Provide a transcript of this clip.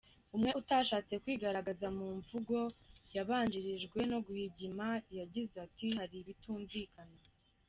Umwe utashatse kwigaragaza mu mvugo yabanjirijwe no guhigima yagize ati “ Hari ibitumvikana.